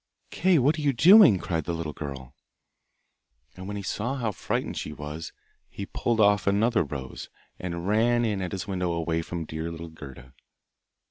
'Kay, what are you doing?' cried the little girl. And when he saw how frightened she was, he pulled off another rose, and ran in at his window away from dear little Gerda.